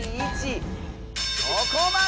そこまで！